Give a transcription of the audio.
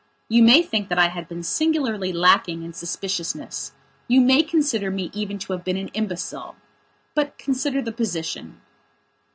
You may think that I had been singularly lacking in suspiciousness; you may consider me even to have been an imbecile. But consider the position.